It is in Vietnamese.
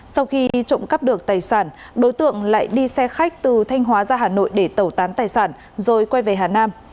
sau khi trộm cắp được tài sản đối tượng lại đi xe khách từ thanh hóa ra hà nội để tẩu tán tài sản rồi quay về hà nam